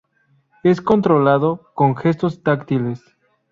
Es controlado con gestos táctiles.